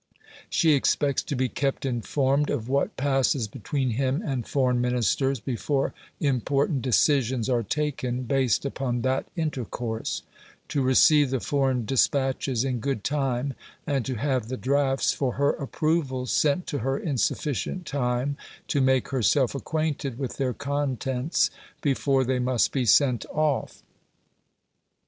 She expects to be kept informed of what passes between him and Foreign Ministers before important decisions are taken based upon that intercourse; to receive the foreign despatches in good time; and to have the drafts for her approval sent to her in sufficient time to make herself acquainted with their contents before they must be sent off."